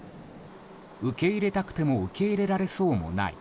受け入れたくても受け入れられそうもない。